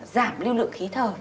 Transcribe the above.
giảm lưu lượng khí thở